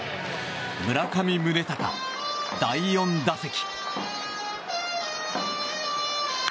村上宗隆、第４打席。